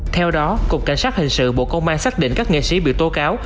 theo đó cục cảnh sát hình sự bộ công an xác định các nghệ sĩ bị tố cáo